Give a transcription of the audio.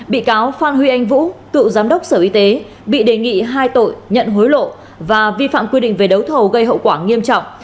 bị cáo phan huy anh vũ cựu giám đốc sở y tế bị đề nghị hai tội nhận hối lộ và vi phạm quy định về đấu thầu gây hậu quả nghiêm trọng